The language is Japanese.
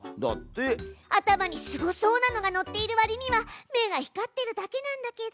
頭にすごそうなのがのっているわりには目が光ってるだけなんだけど。